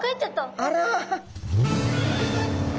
あら！